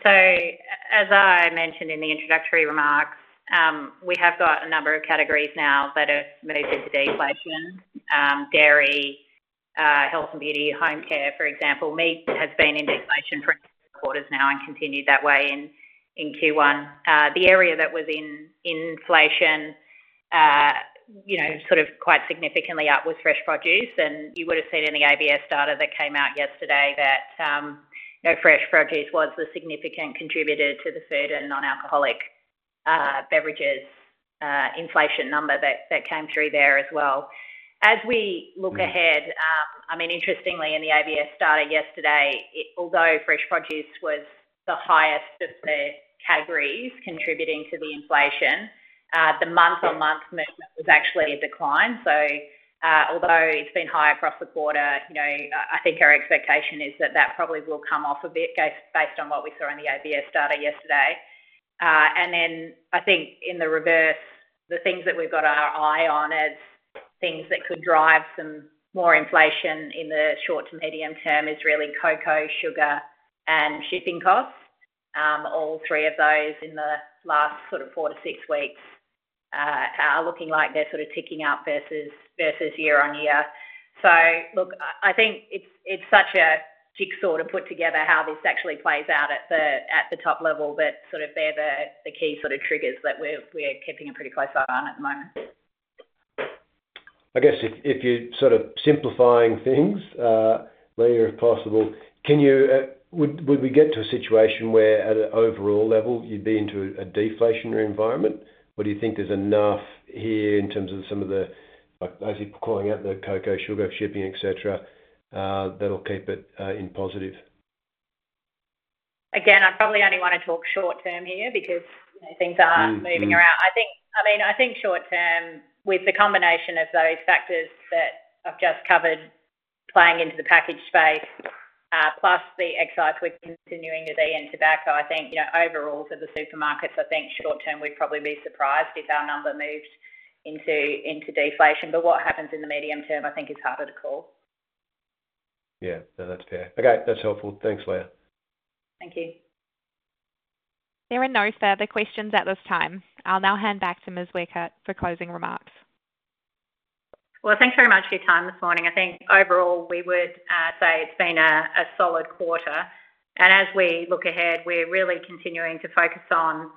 So as I mentioned in the introductory remarks, we have got a number of categories now that have moved into deflation: dairy, health and beauty, home care, for example. Meat has been in deflation for a number of quarters now and continued that way in Q1. The area that was in inflation sort of quite significantly up was fresh produce. And you would have seen in the ABS data that came out yesterday that fresh produce was the significant contributor to the food and non-alcoholic beverages inflation number that came through there as well. As we look ahead, I mean, interestingly, in the ABS data yesterday, although fresh produce was the highest of the categories contributing to the inflation, the month-on-month movement was actually a decline. Although it's been high across the quarter, I think our expectation is that that probably will come off a bit based on what we saw in the ABS data yesterday. I think in the reverse, the things that we've got our eye on as things that could drive some more inflation in the short to medium term is really cocoa, sugar, and shipping costs. All three of those in the last sort of four to six weeks are looking like they're sort of ticking up versus year on year. Look, I think it's such a jigsaw to put together how this actually plays out at the top level, but sort of they're the key sort of triggers that we're keeping a pretty close eye on at the moment. I guess if you're sort of simplifying things, Leah, if possible, would we get to a situation where at an overall level you'd be into a deflationary environment? Or do you think there's enough here in terms of some of the, as you're calling out, the cocoa, sugar, shipping, etc., that'll keep it in positive? Again, I probably only want to talk short-term here because things are moving around. I mean, I think short-term, with the combination of those factors that I've just covered playing into the packaged space, plus the excise with continuing to be in tobacco, I think overall for the supermarkets, I think short-term we'd probably be surprised if our number moved into deflation. But what happens in the medium term, I think, is harder to call. Yeah. No, that's fair. Okay. That's helpful. Thanks, Leah. Thank you. There are no further questions at this time. I'll now hand back to Ms. Weckert for closing remarks. Thanks very much for your time this morning. I think overall we would say it's been a solid quarter. As we look ahead, we're really continuing to focus on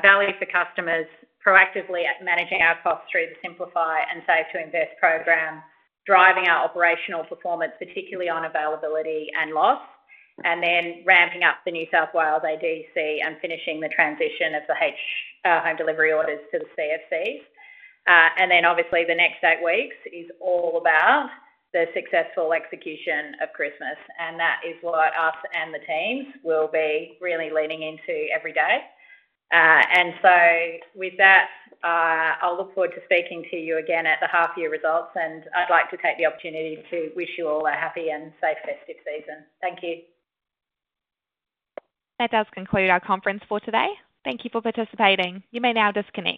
value for customers, proactively managing our costs through the Simplify and Save to Invest program, driving our operational performance, particularly on availability and loss, and then ramping up the New South Wales ADC and finishing the transition of the home delivery orders to the CFCs. Obviously the next eight weeks is all about the successful execution of Christmas. That is what us and the teams will be really leaning into every day. With that, I'll look forward to speaking to you again at the half-year results. I'd like to take the opportunity to wish you all a happy and safe festive season. Thank you. That does conclude our conference for today. Thank you for participating. You may now disconnect.